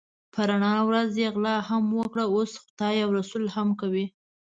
په رڼا ورځ یې غلا هم وکړه اوس خدای او رسول هم کوي.